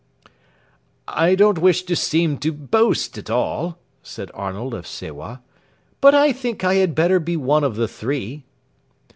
"I don't wish to seem to boast at all," said Arnold of Sewa, "but I think I had better be one of the three."